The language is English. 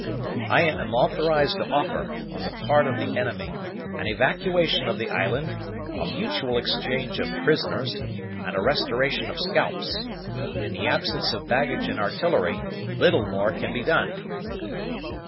I am authorized to offer, on the part of the enemy, an evacuation of the island, a mutual exchange of prisoners, and a restoration of scalps. In the absence of baggage and artillery, little more can be done."